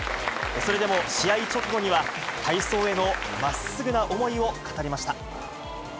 それでも試合直後には、体操へのまっすぐな思いを語りました。